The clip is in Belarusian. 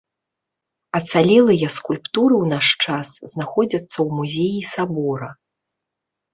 Ацалелыя скульптуры ў наш час знаходзяцца ў музеі сабора.